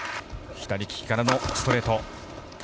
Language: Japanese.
左利きからのストレート。